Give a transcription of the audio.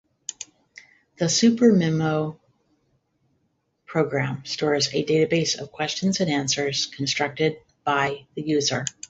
The SuperMemo program stores a database of questions and answers constructed by the user.